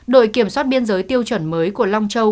đội kiểm soát biên giới tiêu chuẩn mới của long châu